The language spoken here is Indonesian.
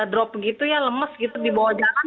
drop gitu ya lemes gitu di bawah jalan